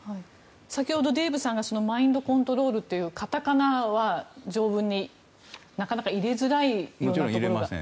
先ほどデーブさんがそのマインドコントロールというカタカナは条文になかなか入れづらいと。